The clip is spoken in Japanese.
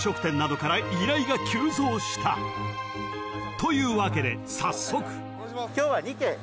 ［というわけで早速］